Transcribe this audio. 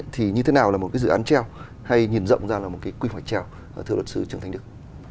thì như thế nào là một dự án treo hay nhìn rộng ra là một quy hoạch treo thưa luật sư trương thành đức